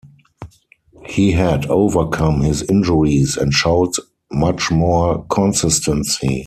He had overcome his injuries and showed much more consistency.